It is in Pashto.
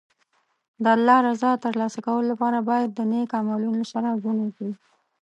د الله رضا ترلاسه کولو لپاره باید د نېک عملونو سره ژوند وکړي.